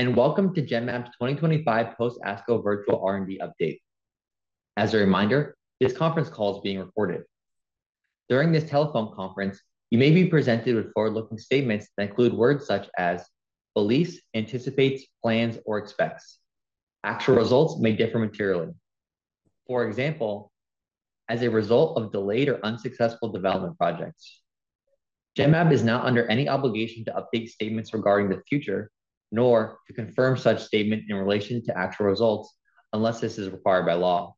Hello, and welcome to Genmab's 2025 Post-ASCO Virtual R&D Update. As a reminder, this conference call is being recorded. During this telephone conference, you may be presented with forward-looking statements that include words such as beliefs, anticipates, plans, or expects. Actual results may differ materially. For example, as a result of delayed or unsuccessful development projects, Genmab is not under any obligation to update statements regarding the future, nor to confirm such statements in relation to actual results unless this is required by law.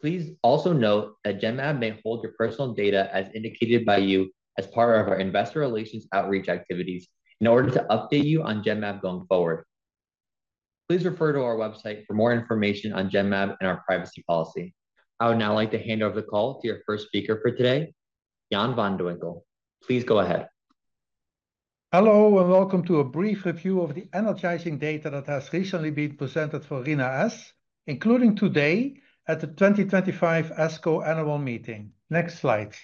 Please also note that Genmab may hold your personal data as indicated by you as part of our investor relations outreach activities in order to update you on Genmab going forward. Please refer to our website for more information on Genmab and our privacy policy. I would now like to hand over the call to your first speaker for today, Jan van de Winkel. Please go ahead. Hello and welcome to a brief review of the energizing data that has recently been presented for Rinatabart Sesutecan, including today at the 2025 ASCO Annual Meeting. Next slide.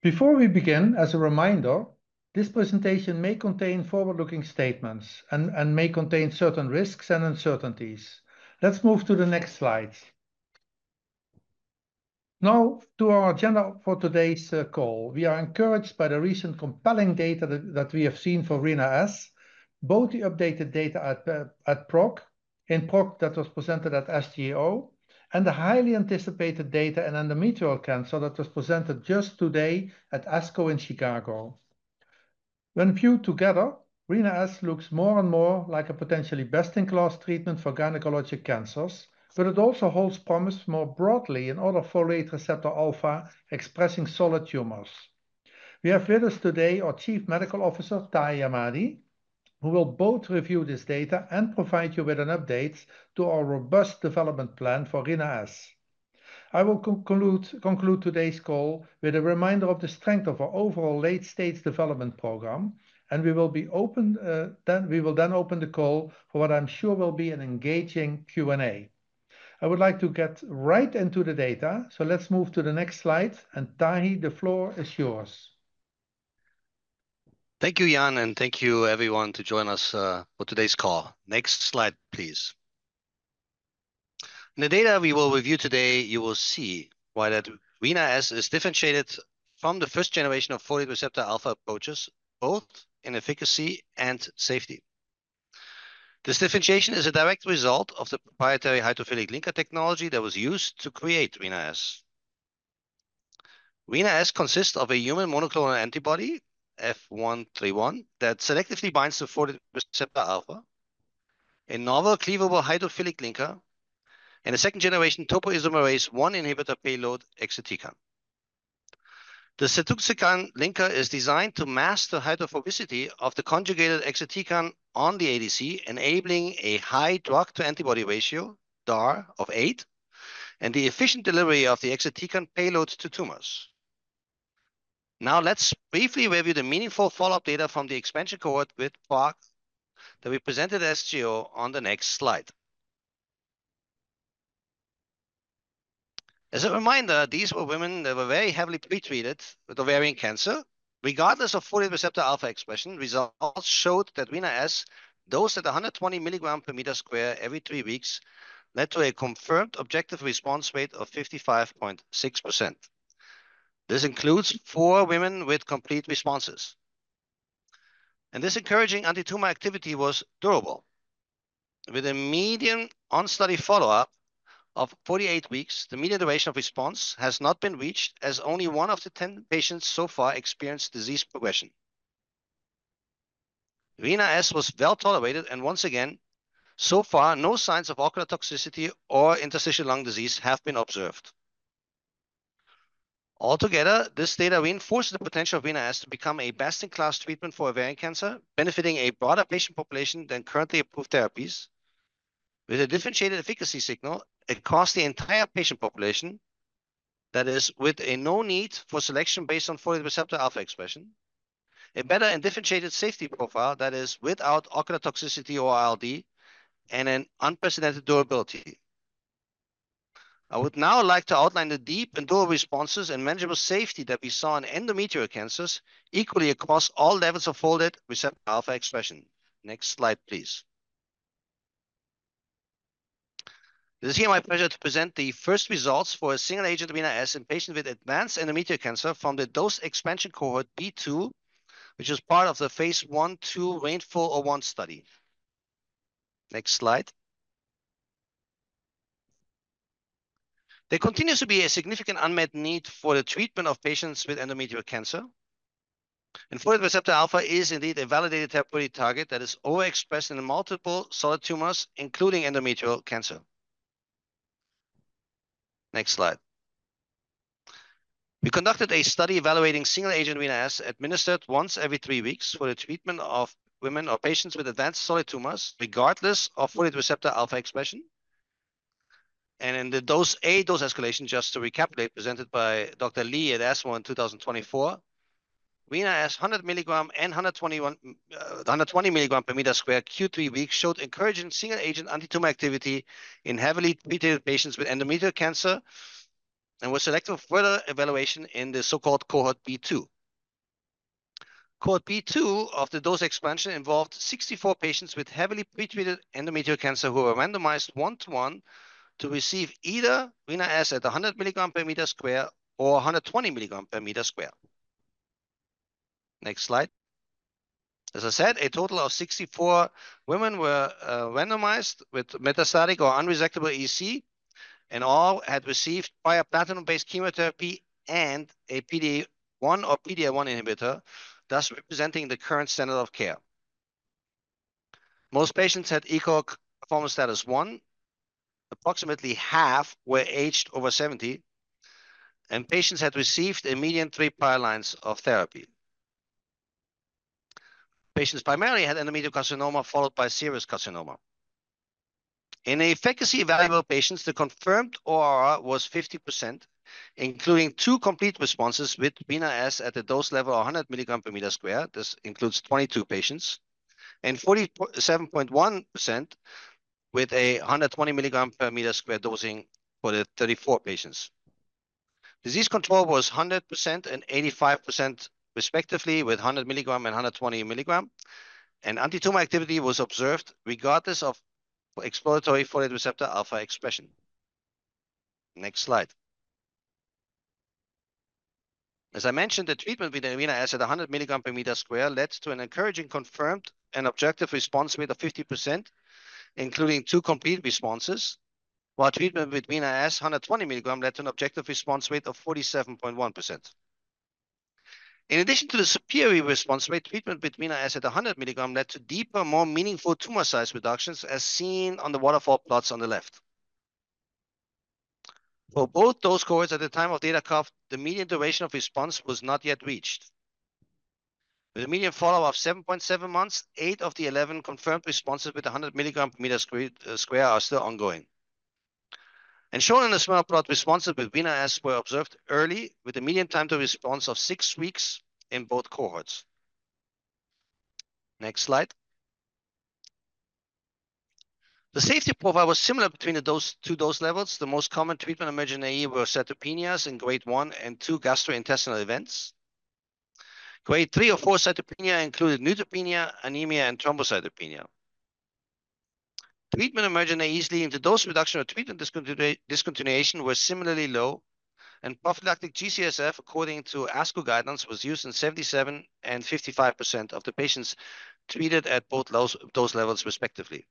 Before we begin, as a reminder, this presentation may contain forward-looking statements and may contain certain risks and uncertainties. Let's move to the next slide. Now, to our agenda for today's call. We are encouraged by the recent compelling data that we have seen for Rinatabart Sesutecan, both the updated data in PROC that was presented at SGO, and the highly anticipated data in endometrial cancer that was presented just today at ASCO in Chicago. When viewed together, Rinatabart Sesutecan looks more and more like a potentially best-in-class treatment for gynecologic cancers, but it also holds promise more broadly in folate receptor alpha expressing solid tumors. We have with us today our Chief Medical Officer, Tahamtan Ahmadi, who will both review this data and provide you with an update to our robust development plan for Rinatabart Sesutecan. I will conclude today's call with a reminder of the strength of our overall late-stage development program, and we will then open the call for what I'm sure will be an engaging Q&A. I would like to get right into the data, so let's move to the next slide, and Tahi, the floor is yours. Thank you, Jan, and thank you, everyone, to join us for today's call. Next slide, please. In the data we will review today, you will see why that Rinatabart Sesutecan is differentiated from the first generation of folate receptor alpha approaches, both in efficacy and safety. This differentiation is a direct result of the proprietary hydrophilic linker technology that was used to create Rinatabart Sesutecan. Rinatabart Sesutecan consists of a human monoclonal antibody, F131, that selectively binds to folate receptor alpha, a novel cleavable hydrophilic linker, and a second-generation topoisomerase I inhibitor payload, exatecan. The hydrophilic linker is designed to mask the hydrophobicity of the conjugated exatecan on the ADC, enabling a high drug-to-antibody ratio, DAR, of eight, and the efficient delivery of the exatecan payloads to tumors. Now, let's briefly review the meaningful follow-up data from the expansion cohort with PROC that we presented at SGO on the next slide. As a reminder, these were women that were very heavily pretreated with ovarian cancer. Regardless of folate receptor alpha expression, results showed that Rinatabart Sesutecan dosed at 120 mg/m²every three weeks led to a confirmed objective response rate of 55.6%. This includes four women with complete responses. This encouraging anti-tumor activity was durable. With a median on-study follow-up of 48 weeks, the median duration of response has not been reached, as only one of the 10 patients so far experienced disease progression. Rinatabart Sesutecan was well tolerated, and once again, so far, no signs of ocular toxicity or interstitial lung disease have been observed. Altogether, this data reinforces the potential of Rinatabart Sesutecan to become a best-in-class treatment for ovarian cancer, benefiting a broader patient population than currently approved therapies. With a differentiated efficacy signal, it covers the entire patient population, that is, with no need for selection based on folate receptor alpha expression, a better and differentiated safety profile, that is, without ocular toxicity or ILD, and an unprecedented durability. I would now like to outline the deep and durable responses and manageable safety that we saw in endometrial cancers equally across all levels of folate receptor alpha expression. Next slide, please. It is here my pleasure to present the first results for single-agent Rinatabart Sesutecan in patients with advanced endometrial cancer from the dose expansion cohort B2, which is part of the phase I/II RAINFOL-01 study. Next slide. There continues to be a significant unmet need for the treatment of patients with endometrial cancer. And folate receptor alpha is indeed a validated therapeutic target that is overexpressed in multiple solid tumors, including endometrial cancer. Next slide. We conducted a study evaluating single-agent Rinatabart Sesutecan administered once every three weeks for the treatment of women or patients with advanced solid tumors, regardless of folate receptor alpha expression. In the dose escalation, just to recap, presented by Dr. Lee at ASCO in 2024, Rinatabart Sesutecan 100 mg/m² and 120 mg/m² Q3 weeks showed encouraging single-agent anti-tumor activity in heavily treated patients with endometrial cancer and was selected for further evaluation in the so-called cohort B2. Cohort B2 of the dose expansion involved 64 patients with heavily pretreated endometrial cancer who were randomized one-to-one to receive either Rinatabart Sesutecan at 100 mg/m² or 120 mg/m². Next slide. As I said, a total of 64 women were randomized with metastatic or unresectable EC, and all had received platinum-based chemotherapy and a PD-1 or PD-L1 inhibitor, thus representing the current standard of care. Most patients had ECOG performance status 1. Approximately half were aged over 70, and patients had received a median three lines of therapy. Patients primarily had endometrial carcinoma followed by serous carcinoma. In efficacy evaluable patients, the confirmed ORR was 50%, including two complete responses with Rinatabart Sesutecan at a dose level of 100 mg per m². This includes 22 patients and 47.1% with a 120 mg per m² dosing for the 34 patients. Disease control was 100% and 85% respectively with 100 mg and 120 mg, and anti-tumor activity was observed regardless of exploratory folate receptor alpha expression. Next slide. As I mentioned, the treatment with Rinatabart Sesutecan at 100 mg/m² led to an encouraging confirmed and objective response rate of 50%, including two complete responses, while treatment with Rinatabart Sesutecan 120 mg led to an objective response rate of 47.1%. In addition to the superior response rate, treatment with Rinatabart Sesutecan at 100 mg led to deeper, more meaningful tumor size reductions as seen on the waterfall plots on the left. For both those cohorts at the time of data cut, the median duration of response was not yet reached. With a median follow-up of 7.7 months, eight of the 11 confirmed responses with 100 mg/m² are still ongoing. Shown in the small plot, responses with Rinatabart Sesutecan were observed early, with a median time to response of six weeks in both cohorts. Next slide. The safety profile was similar between the two dose levels. The most common treatment-emergent AE were cytopenias and grade one and two gastrointestinal events. Grade three or four cytopenias included neutropenia, anemia, and thrombocytopenia. Treatment-emergent AEs leading to dose reduction or treatment discontinuation were similarly low, and prophylactic G-CSF, according to ASCO guidance, was used in 77% and 55% of the patients treated at both dose levels, respectively.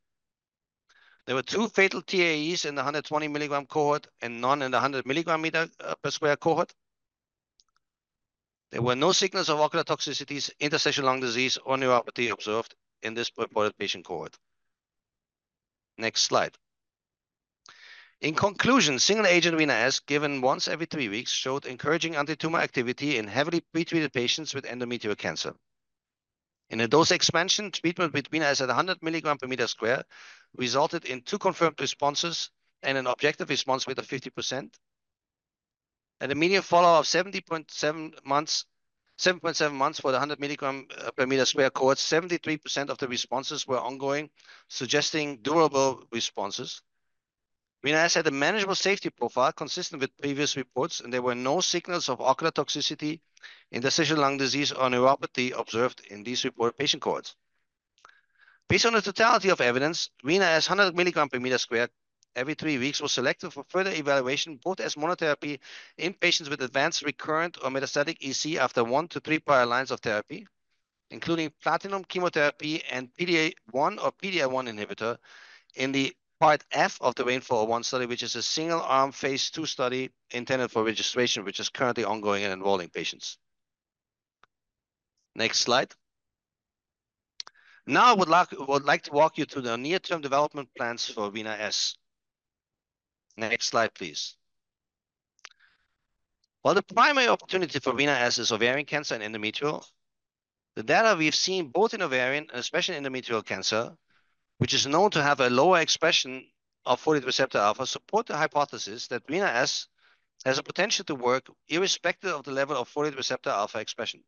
There were two fatal TEAEs in the 120 mg cohort and none in the 100 mg/m² cohort. There were no signals of ocular toxicities, interstitial lung disease, or neuropathy observed in this reported patient cohort. Next slide. In conclusion, single-agent Rinatabart Sesutecan given once every three weeks showed encouraging anti-tumor activity in heavily pretreated patients with endometrial cancer. In a dose expansion, treatment with Rinatabart Sesutecan at 100 mg/m² resulted in two confirmed responses and an objective response rate of 50%. At a median follow-up of 7.7 months for the 100 mg/m² cohort, 73% of the responses were ongoing, suggesting durable responses. Rina-S had a manageable safety profile consistent with previous reports, and there were no signals of ocular toxicity, interstitial lung disease, or neuropathy observed in these reported patient cohorts. Based on the totality of evidence, Rina-S 100 mg/m² every three weeks was selected for further evaluation, both as monotherapy in patients with advanced recurrent or metastatic EC after one to three pipelines of therapy, including platinum chemotherapy and PD-1 or PD-L1 inhibitor in the part F of the RAINFOL-01 study, which is a single-arm phase II study intended for registration, which is currently ongoing in enrolling patients. Next slide. Now, I would like to walk you through the near-term development plans for Rina-S. Next slide, please. While the primary opportunity for Rinatabart Sesutecan is ovarian cancer and endometrial, the data we've seen both in ovarian and especially endometrial cancer, which is known to have a lower expression of folate receptor alpha, support the hypothesis that Rinatabart Sesutecan has a potential to work irrespective of the level of folate receptor alpha expression.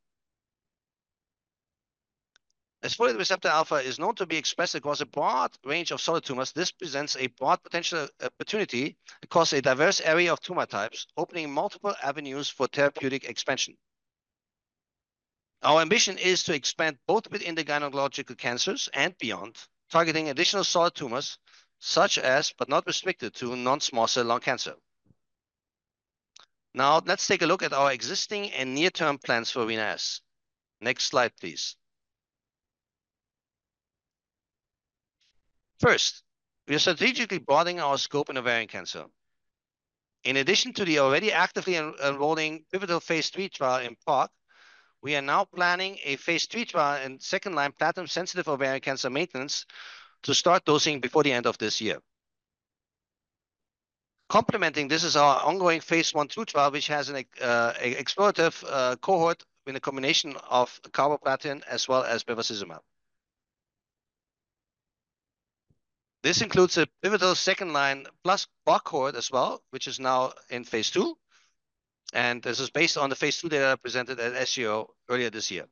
As folate receptor alpha is known to be expressed across a broad range of solid tumors, this presents a broad potential opportunity across a diverse area of tumor types, opening multiple avenues for therapeutic expansion. Our ambition is to expand both within the gynecologic cancers and beyond, targeting additional solid tumors such as, but not restricted to, non-small cell lung cancer. Now, let's take a look at our existing and near-term plans for Rinatabart Sesutecan. Next slide, please. First, we are strategically broadening our scope in ovarian cancer. In addition to the already actively enrolling pivotal phase III trial in PROC, we are now planning a phase III trial in second-line platinum-sensitive ovarian cancer maintenance to start dosing before the end of this year. Complementing this is our ongoing phase I trial, which has an explorative cohort with a combination of carboplatin as well as bevacizumab. This includes a pivotal second-line plus PROC cohort as well, which is now in phase I. This is based on the phase II data I presented at SGO earlier this year.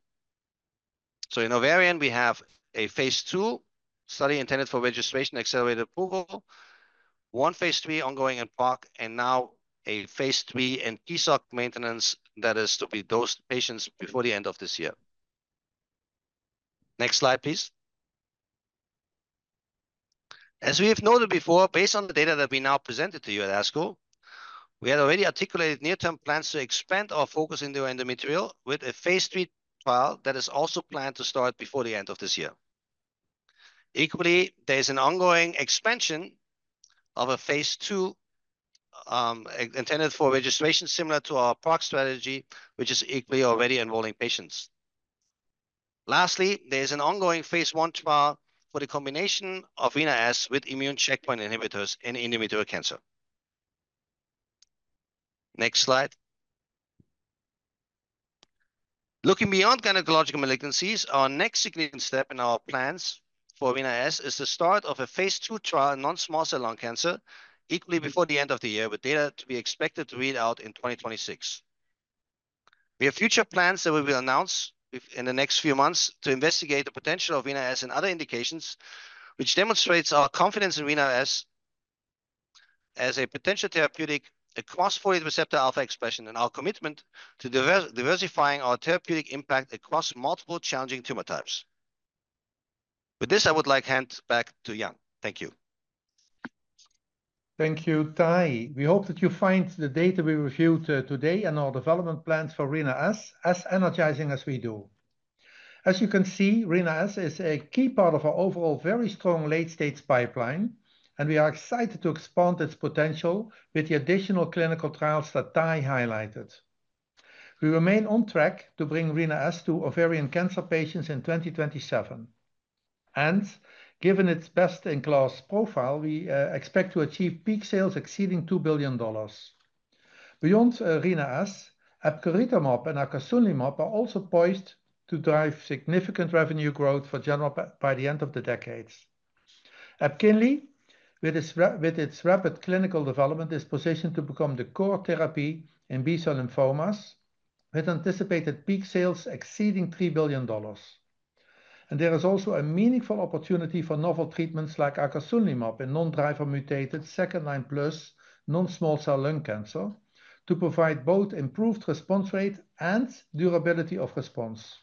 In ovarian, we have a phase II study intended for registration accelerated approval, one phase III ongoing in PROC, and now a phase III in PSOC maintenance that is to be dosed to patients before the end of this year. Next slide, please. As we have noted before, based on the data that we now presented to you at ASCO, we had already articulated near-term plans to expand our focus into endometrial with a phase III trial that is also planned to start before the end of this year. Equally, there is an ongoing expansion of a phase II intended for registration similar to our PROC strategy, which is equally already enrolling patients. Lastly, there is an ongoing phase I trial for the combination of Rinatabart Sesutecan with immune checkpoint inhibitors in endometrial cancer. Next slide. Looking beyond gynecologic malignancies, our next significant step in our plans for Rinatabart Sesutecan is the start of a phase II trial in non-small cell lung cancer, equally before the end of the year, with data to be expected to read out in 2026. We have future plans that we will announce in the next few months to investigate the potential of Rinatabart Sesutecan and other indications, which demonstrates our confidence in Rinatabart Sesutecan as a potential therapeutic across folate receptor alpha expression and our commitment to diversifying our therapeutic impact across multiple challenging tumor types. With this, I would like to hand back to Jan. Thank you. Thank you, Tahi. We hope that you find the data we reviewed today and our development plans for Rinatabart Sesutecan as energizing as we do. As you can see, Rinatabart Sesutecan is a key part of our overall very strong late-stage pipeline, and we are excited to expand its potential with the additional clinical trials that Tahi highlighted. We remain on track to bring Rinatabart Sesutecan to ovarian cancer patients in 2027. Given its best-in-class profile, we expect to achieve peak sales exceeding $2 billion. Beyond Rinatabart Sesutecan, Epcoritamab and Acasunlimab are also poised to drive significant revenue growth for Genmab by the end of the decade. EPKINLY, with its rapid clinical development, is positioned to become the core therapy in B-cell lymphomas, with anticipated peak sales exceeding $3 billion. There is also a meaningful opportunity for novel treatments like Acasunlimab in non-driver mutated second-line plus non-small cell lung cancer to provide both improved response rate and durability of response.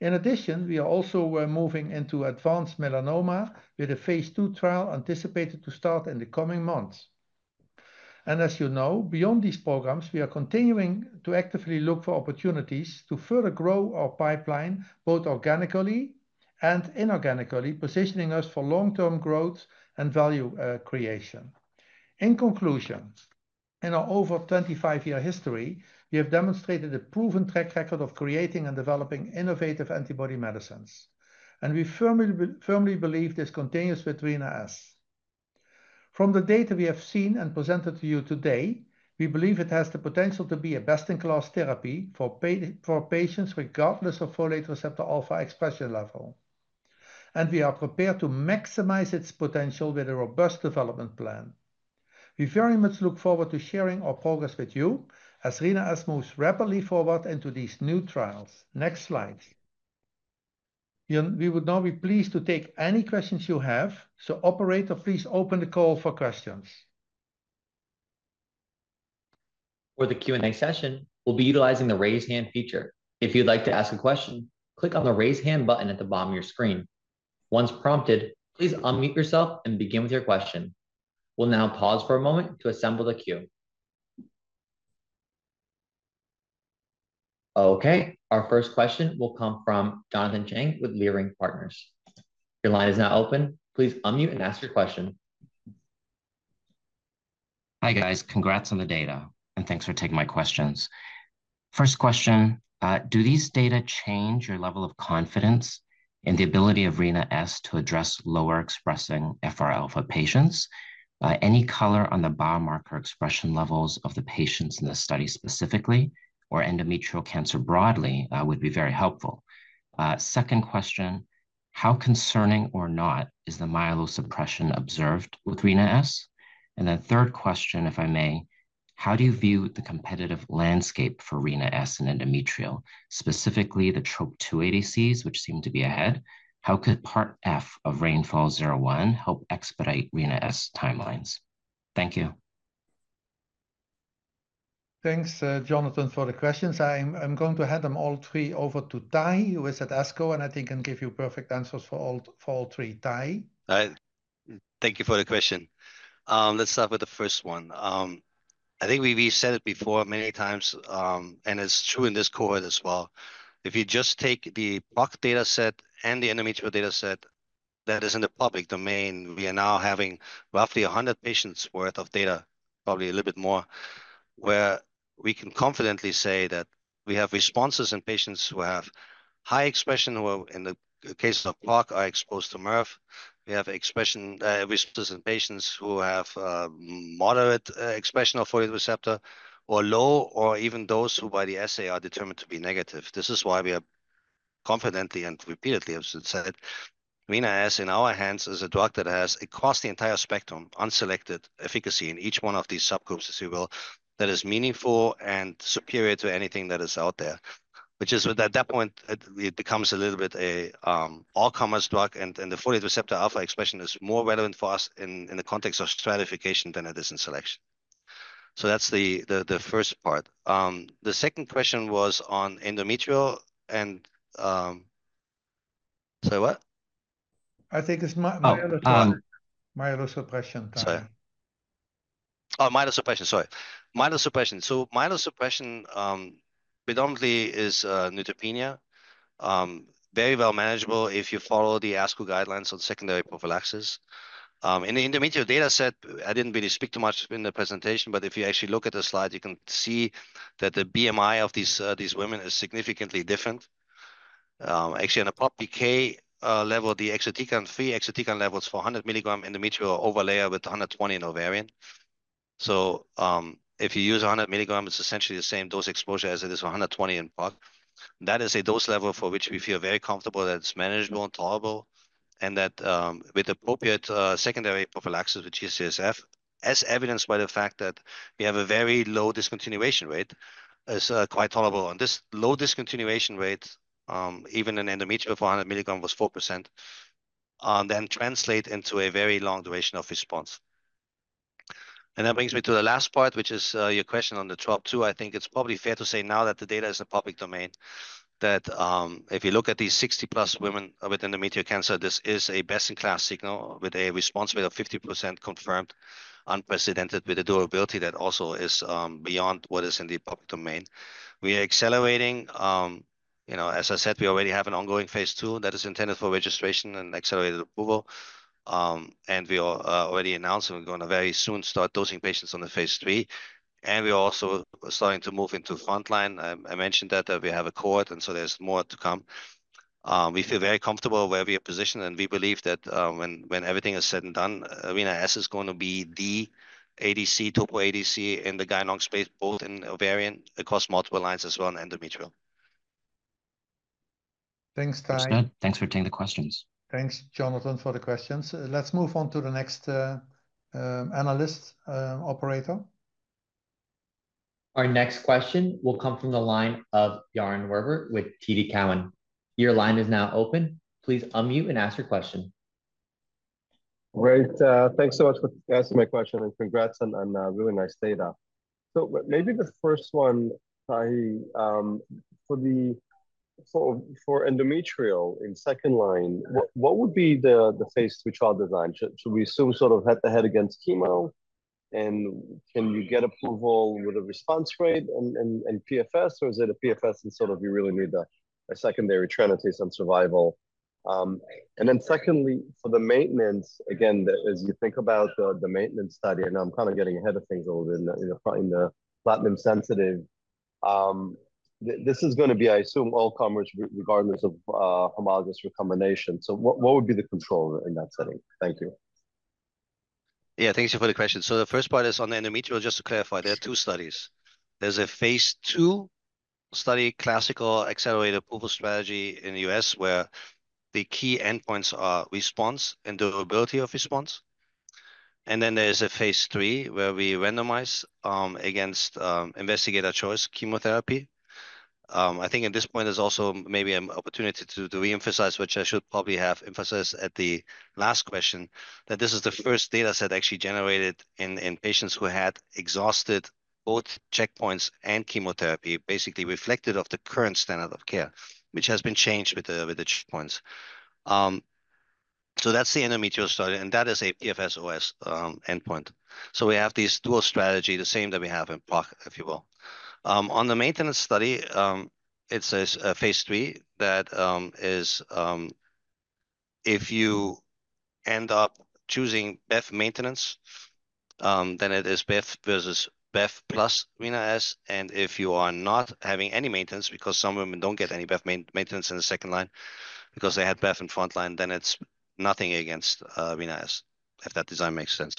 In addition, we are also moving into advanced melanoma with a phase II trial anticipated to start in the coming months. As you know, beyond these programs, we are continuing to actively look for opportunities to further grow our pipeline both organically and inorganically, positioning us for long-term growth and value creation. In conclusion, in our over 25-year history, we have demonstrated a proven track record of creating and developing innovative antibody medicines. We firmly believe this continues with Rinatabart Sesutecan. From the data we have seen and presented to you today, we believe it has the potential to be a best-in-class therapy for patients regardless of folate receptor alpha expression level. We are prepared to maximize its potential with a robust development plan. We very much look forward to sharing our progress with you as Rinatabart Sesutecan moves rapidly forward into these new trials. Next slide. We would now be pleased to take any questions you have, so operator, please open the call for questions. For the Q&A session, we'll be utilizing the raise hand feature. If you'd like to ask a question, click on the raise hand button at the bottom of your screen. Once prompted, please unmute yourself and begin with your question. We'll now pause for a moment to assemble the queue. Okay, our first question will come from Jonathan Chang with Leerink Partners. Your line is now open. Please unmute and ask your question. Hi guys, congrats on the data, and thanks for taking my questions. First question, do these data change your level of confidence in the ability of Rinatabart Sesutecan to address lower expressing FR alpha patients? Any color on the biomarker expression levels of the patients in the study specifically or endometrial cancer broadly would be very helpful. Second question, how concerning or not is the myelosuppression observed with Rinatabart Sesutecan? And then third question, if I may, how do you view the competitive landscape for Rinatabart Sesutecan in endometrial, specifically the TROP2 ADCs, which seem to be ahead? How could part F of RAINFOL-01 help expedite Rinatabart Sesutecan timelines? Thank you. Thanks, Jonathan, for the questions. I'm going to hand them all three over to Tahi, who is at ASCO, and I think can give you perfect answers for all three. Tahi. Thank you for the question. Let's start with the first one. I think we've said it before many times, and it's true in this cohort as well. If you just take the PROC dataset and the endometrial dataset that is in the public domain, we are now having roughly 100 patients worth of data, probably a little bit more, where we can confidently say that we have responses in patients who have high expression who, in the case of PROC, are exposed to MIRV. We have expression responses in patients who have moderate expression of folate receptor or low, or even those who by the assay are determined to be negative. This is why we have confidently and repeatedly said Rina-S in our hands is a drug that has across the entire spectrum, unselected efficacy in each one of these subgroups, if you will, that is meaningful and superior to anything that is out there, which is at that point, it becomes a little bit an all-comers drug, and the folate receptor alpha expression is more relevant for us in the context of stratification than it is in selection. That is the first part. The second question was on endometrial and say what? I think it is myelosuppression. Sorry. Oh, myelosuppression, sorry. Myelosuppression. Myelosuppression predominantly is neutropenia, very well manageable if you follow the ASCO guidelines on secondary prophylaxis. In the endometrial dataset, I did not really speak too much in the presentation, but if you actually look at the slide, you can see that the BMI of these women is significantly different. Actually, on a PROC PK level, the exatecan-free exatecan level is for 100 mg endometrial overlayer with 120 mg in ovarian. If you use 100 mg, it is essentially the same dose exposure as it is for 120 mg in PROC. That is a dose level for which we feel very comfortable that it is manageable and tolerable, and that with appropriate secondary prophylaxis, which is G-CSF, as evidenced by the fact that we have a very low discontinuation rate, is quite tolerable. This low discontinuation rate, even in endometrial for 100 mg, was 4%, then translates into a very long duration of response. That brings me to the last part, which is your question on the TROP2. I think it's probably fair to say now that the data is in the public domain that if you look at these 60+ women with endometrial cancer, this is a best-in-class signal with a response rate of 50% confirmed, unprecedented, with a durability that also is beyond what is in the public domain. We are accelerating, as I said, we already have an ongoing phase II that is intended for registration and accelerated approval. We are already announcing we're going to very soon start dosing patients on the phase III. We are also starting to move into frontline. I mentioned that we have a cohort, and so there's more to come. We feel very comfortable where we are positioned, and we believe that when everything is said and done, Rinatabart Sesutecan is going to be the ADC, topo ADC in the gynecological space, both in ovarian across multiple lines as well in endometrial. Thanks, Tahi. Thanks for taking the questions. Thanks, Jonathan, for the questions. Let's move on to the next analyst operator. Our next question will come from the line of Yaron Werber with TD Cowen. Your line is now open. Please unmute and ask your question. Great. Thanks so much for asking my question and congrats on really nice data. Maybe the first one, Tahi, for endometrial in second line, what would be the phase III trial design? Should we assume sort of head-to-head against chemo? Can you get approval with a response rate and PFS? Is it a PFS and you really need a secondary trinity on survival? Secondly, for the maintenance, as you think about the maintenance study, and I'm kind of getting ahead of things a little bit in the platinum-sensitive, this is going to be, I assume, all-comers regardless of homologous recombination. What would be the control in that setting? Thank you. Thank you for the question. The first part is on the endometrial. Just to clarify, there are two studies. There is a phase II study, classical accelerated approval strategy in the U.S., where the key endpoints are response and durability of response. Then there is a phase III where we randomize against investigator choice chemotherapy. I think at this point, there's also maybe an opportunity to reemphasize, which I should probably have emphasized at the last question, that this is the first dataset actually generated in patients who had exhausted both checkpoints and chemotherapy, basically reflected off the current standard of care, which has been changed with the checkpoints. That is the endometrial study, and that is a PFS OS endpoint. We have these dual strategies, the same that we have in PROC, if you will. On the maintenance study, it's a phase III that is if you end up choosing BEV maintenance, then it is BEV versus BEV plus Rina-S. If you are not having any maintenance because some women do not get any BEV maintenance in the second line because they had BEV in frontline, then it's nothing against Rina-S, if that design makes sense.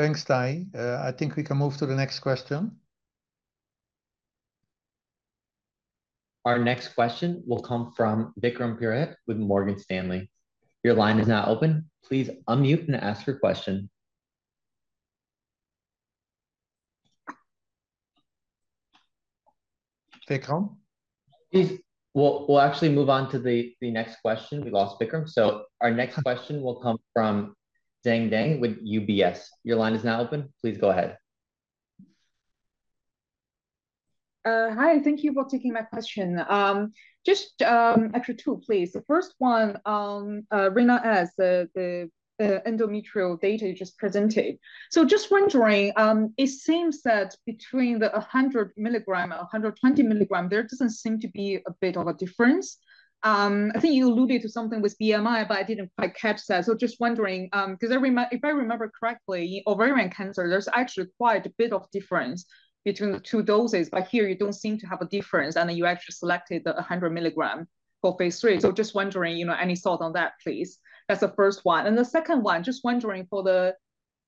Thanks, Tahi. I think we can move to the next question. Our next question will come from Vikram Purohit with Morgan Stanley. Your line is now open. Please unmute and ask your question. Vikram? We'll actually move on to the next question. We lost Vikram. So our next question will come from Xian Deng with UBS. Your line is now open. Please go ahead. Hi, thank you for taking my question. Just actually two, please. The first one, Rinatabart Sesutecan, the endometrial data you just presented. So just wondering, it seems that between the 100 mg, 120 mg, there does not seem to be a bit of a difference. I think you alluded to something with BMI, but I did not quite catch that. Just wondering, because if I remember correctly, ovarian cancer, there's actually quite a bit of difference between the two doses, but here you do not seem to have a difference, and then you actually selected the 100 mg for phase III. Just wondering, any thought on that, please? That is the first one. The second one, just wondering for the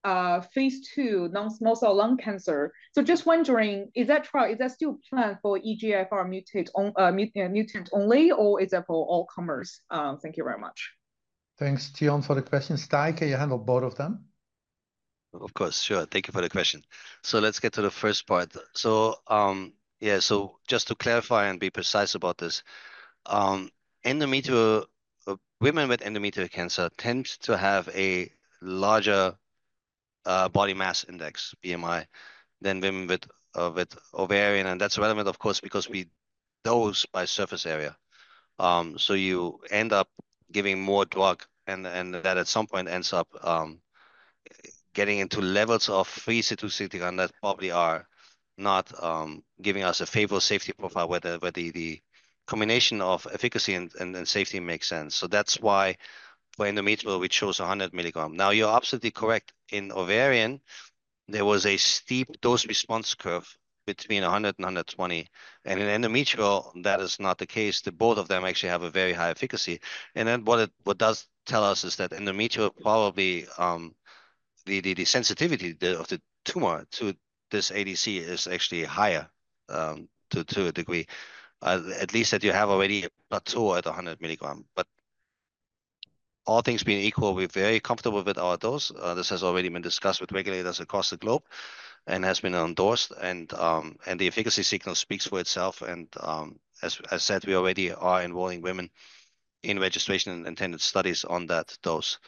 phase II, non-small cell lung cancer. Just wondering, is that trial, is that still planned for EGFR mutant only, or is that for all-comers? Thank you very much. Thanks, Xian, for the question. Tahi, can you handle both of them? Of course, sure. Thank you for the question. Let's get to the first part. Yeah, just to clarify and be precise about this, women with endometrial cancer tend to have a larger body mass index, BMI, than women with ovarian. That is relevant, of course, because we dose by surface area. You end up giving more drug, and that at some point ends up getting into levels of free sesutecan that probably are not giving us a favorable safety profile where the combination of efficacy and safety makes sense. That is why for endometrial, we chose 100 mg. Now, you're absolutely correct. In ovarian, there was a steep dose response curve between 100 mg and 120 mg. In endometrial, that is not the case. Both of them actually have a very high efficacy. What this tells us is that in endometrial, probably the sensitivity of the tumor to this ADC is actually higher to a degree, at least that you have already a plateau at 100 mg. All things being equal, we're very comfortable with our dose. This has already been discussed with regulators across the globe and has been endorsed. The efficacy signal speaks for itself. As I said, we already are involving women in registration and intended studies on that dose.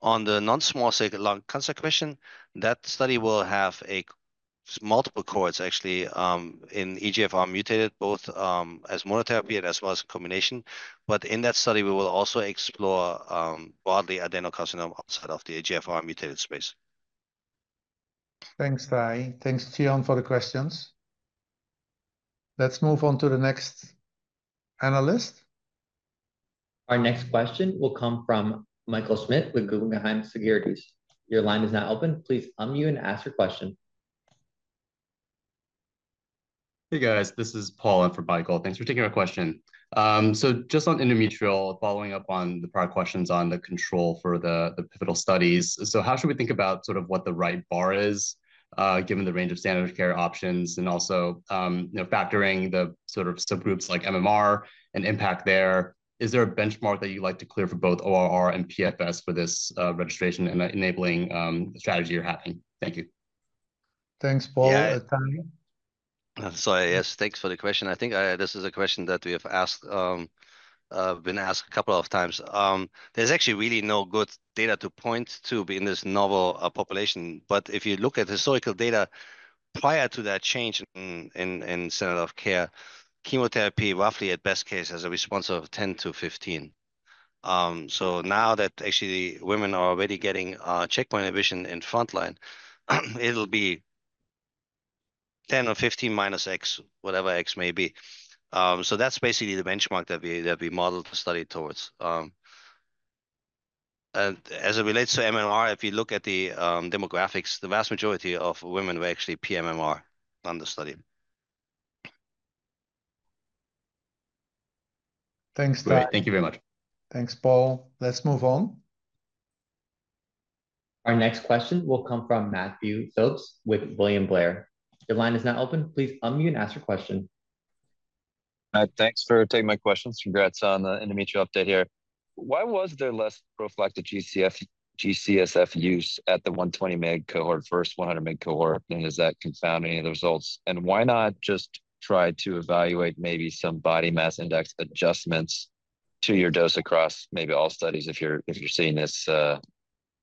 On the non-small cell lung cancer question, that study will have multiple cohorts, actually, in EGFR mutated, both as monotherapy as well as combination. In that study, we will also explore broadly adenocarcinoma outside of the EGFR mutated space. Thanks, Tahi. Thanks, Xian, for the questions. Let's move on to the next analyst. Our next question will come from Michael Schmidt with Guggenheim Securities. Your line is now open. Please unmute and ask your question. Hey, guys, this is Paul for Michael. Thanks for taking our question. Just on endometrial, following up on the prior questions on the control for the pivotal studies, how should we think about sort of what the right bar is given the range of standard of care options and also factoring the sort of subgroups like MMR and impact there? Is there a benchmark that you'd like to clear for both ORR and PFS for this registration and enabling strategy you're having? Thank you. Thanks, Paul. Tahi. Sorry, yes, thanks for the question. I think this is a question that we have been asked a couple of times. There's actually really no good data to point to in this novel population. If you look at historical data prior to that change in standard of care, chemotherapy, roughly at best case, has a response of 10%-15%. Now that actually women are already getting checkpoint inhibition in frontline, it will be 10 or 15 minus X, whatever X may be. That is basically the benchmark that we modeled the study towards. As it relates to MMR, if you look at the demographics, the vast majority of women were actually PMMR on the study. Thanks, Tahi. Thank you very much. Thanks, Paul. Let's move on. Our next question will come from Matt Phipps with William Blair. Your line is now open. Please unmute and ask your question. Thanks for taking my questions. Congrats on the endometrial update here. Why was there less prophylactic G-CSF use at the 120 mg cohort versus 100 mg cohort? Has that confounded any of the results? Why not just try to evaluate maybe some body mass index adjustments to your dose across maybe all studies if you're seeing this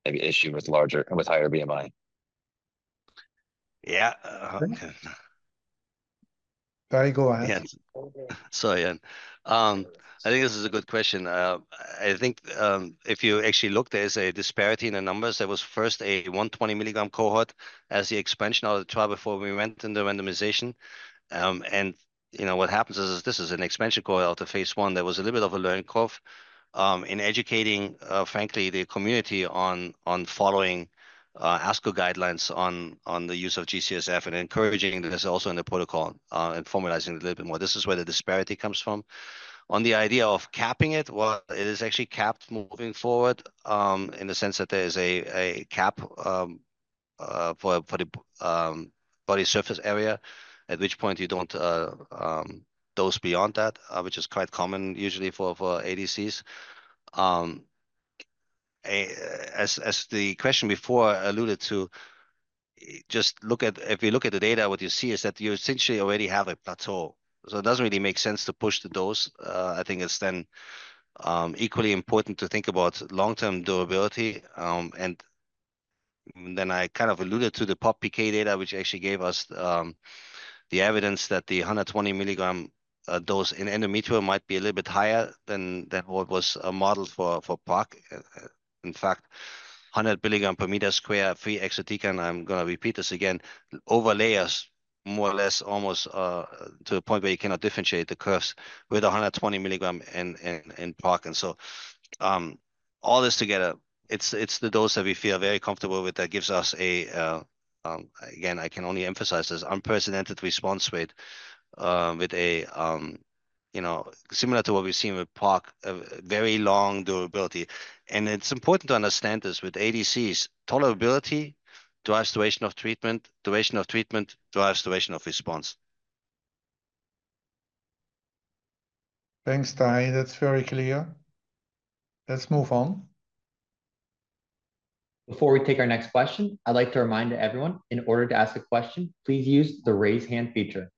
maybe issue with higher BMI? Yeah. Tahi. Go ahead. Sorry, yeah. I think this is a good question. I think if you actually look, there is a disparity in the numbers. There was first a 120 mg cohort as the expansion of the trial before we went into randomization. What happens is this is an expansion cohort after phase I. There was a little bit of a learning curve in educating, frankly, the community on following ASCO guidelines on the use of G-CSF and encouraging this also in the protocol and formalizing it a little bit more. This is where the disparity comes from. On the idea of capping it, it is actually capped moving forward in the sense that there is a cap for the body surface area, at which point you do not dose beyond that, which is quite common usually for ADCs. As the question before alluded to, just look at if we look at the data, what you see is that you essentially already have a plateau. It does not really make sense to push the dose. I think it is then equally important to think about long-term durability. I kind of alluded to the PopPK data, which actually gave us the evidence that the 120 mg dose in endometrium might be a little bit higher than what was modeled for PROC, in fact, 100 mg/m² free exatecan. I'm going to repeat this again, overlays, more or less, almost to a point where you cannot differentiate the curves with 120 mg in PROC. All this together, it's the dose that we feel very comfortable with that gives us a, again, I can only emphasize this unprecedented response rate with a similar to what we've seen with PROC, very long durability. It's important to understand this with ADCs, tolerability drives duration of treatment, duration of treatment drives duration of response. Thanks, Tahi. That's very clear. Let's move on. Before we take our next question, I'd like to remind everyone, in order to ask a question, please use the raise hand feature.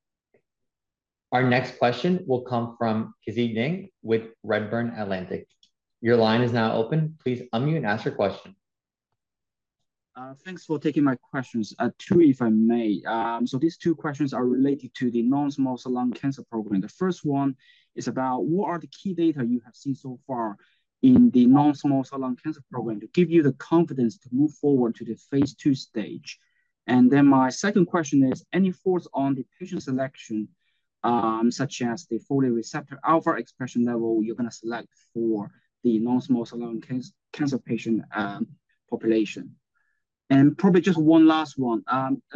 Our next question will come from Qize Ding with Redburn Atlantic. Your line is now open. Please unmute and ask your question. Thanks for taking my questions. Two, if I may. These two questions are related to the non-small cell lung cancer program. The first one is about what are the key data you have seen so far in the non-small cell lung cancer program to give you the confidence to move forward to the phase II stage. My second question is, any thoughts on the patient selection, such as the folate receptor alpha expression level you're going to select for the non-small cell lung cancer patient population? Probably just one last one.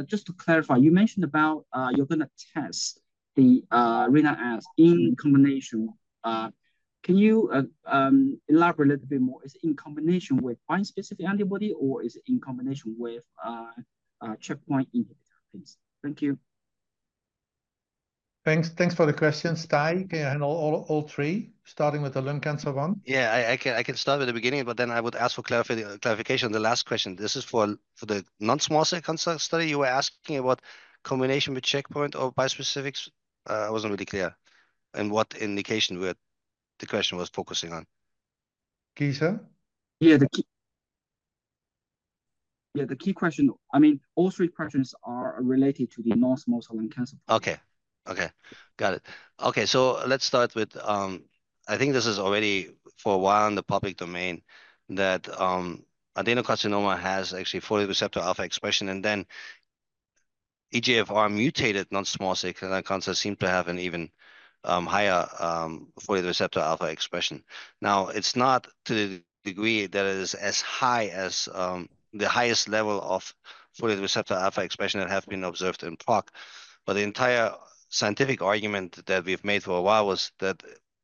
Just to clarify, you mentioned about you're going to test the Rinatabart Sesutecan in combination. Can you elaborate a little bit more? Is it in combination with bispecific antibody, or is it in combination with checkpoint inhibitor, please? Thank you. Thanks for the questions. Tahi, can you handle all three, starting with the lung cancer one? Yeah, I can start with the beginning, but then I would ask for clarification on the last question. This is for the non-small cell lung cancer study. You were asking about combination with checkpoint or bispecifics. I was not really clear in what indication the question was focusing on. Qize? Yeah, the key question, I mean, all three questions are related to the non-small cell lung cancer program. Okay. Okay. Got it. Okay. So let's start with, I think this is already for a while in the public domain that adenocarcinoma has actually folate receptor alpha expression. And then EGFR-mutated non-small cell lung cancer seems to have an even higher folate receptor alpha expression. Now, it is not to the degree that it is as high as the highest level of folate receptor alpha expression that has been observed in PROC. The entire scientific argument that we've made for a while was that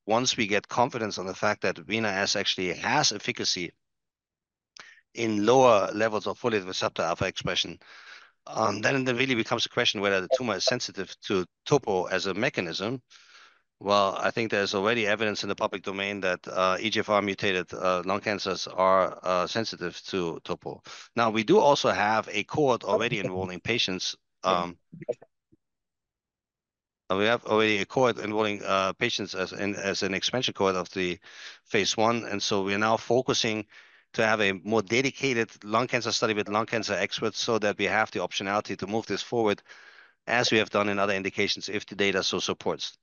once we get confidence on the fact that Rinatabart Sesutecan actually has efficacy in lower levels of folate receptor alpha expression, it really becomes a question whether the tumor is sensitive to topo as a mechanism. I think there's already evidence in the public domain that EGFR-mutated lung cancers are sensitive to topo. We do also have a cohort already enrolling patients. We have already a cohort enrolling patients as an expansion cohort of the phase I. We are now focusing to have a more dedicated lung cancer study with lung cancer experts so that we have the optionality to move this forward as we have done in other indications if the data so supports.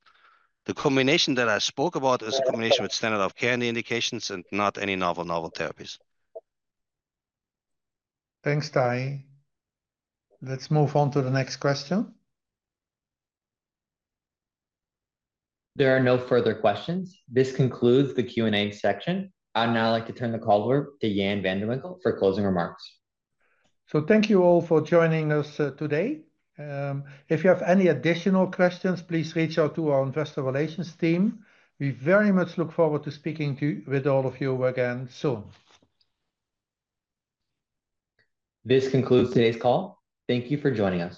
The combination that I spoke about is a combination with standard of care in the indications and not any novel therapies. Thanks, Tahi. Let's move on to the next question. There are no further questions. This concludes the Q&A section. I'd now like to turn the call over to Jan van de Winkel for closing remarks. Thank you all for joining us today. If you have any additional questions, please reach out to our investor relations team. We very much look forward to speaking with all of you again soon. This concludes today's call. Thank you for joining us.